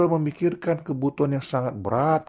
memikirkan kebutuhan yang sangat berat